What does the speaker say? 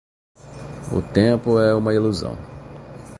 O tempo é uma ilusão.